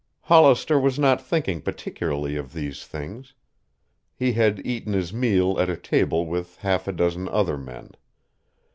Hollister was not thinking particularly of these things. He had eaten his meal at a table with half a dozen other men.